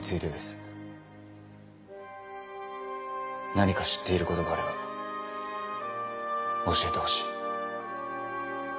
何か知っていることがあれば教えてほしい。